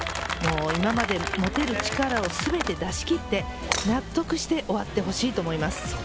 今まで持てる力をすべて出し切って、納得して終わってほしいと思います。